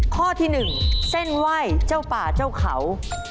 ข้อที่๑เส้นไหว้เจ้าป่าเจ้าเขา